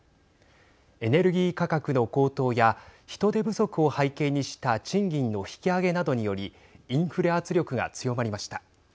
エネルギー価格の高騰や人手不足を背景にした賃金の引き上げなどによりインフレ圧力が強まりました。